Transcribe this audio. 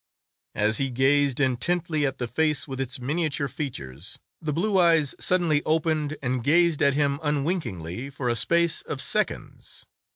As he gazed intently at the face with its miniature features, the blue eyes suddenly opened and gazed at him unwinkingly for a space of seconds.